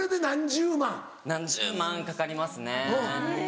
何十万かかりますね。